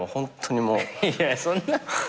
いやそんな。